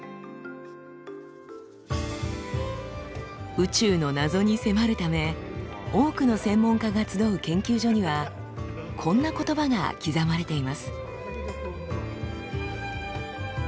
宇宙の謎に迫るため多くの専門家が集う研究所にはこんな言葉が刻まれています。